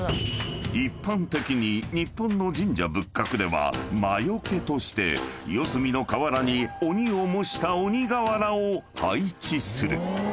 ［一般的に日本の神社仏閣では魔よけとして四隅の瓦に鬼を模した鬼瓦を配置する］